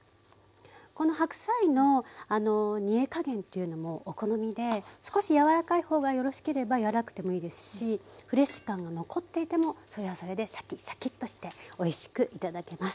この白菜の煮え加減というのもお好みで少し柔らかい方がよろしければ柔らかくてもいいですしフレッシュ感が残っていてもそれはそれでシャキシャキッとしておいしく頂けます。